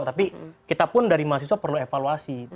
tapi kita pun dari mahasiswa perlu evaluasi